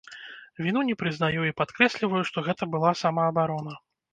Віну не прызнаю і падкрэсліваю, што гэта была самаабарона.